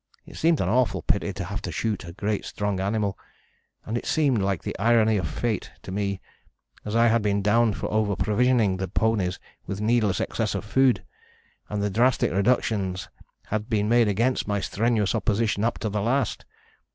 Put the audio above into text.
It seemed an awful pity to have to shoot a great strong animal, and it seemed like the irony of fate to me, as I had been downed for over provisioning the ponies with needless excess of food, and the drastic reductions had been made against my strenuous opposition up to the last.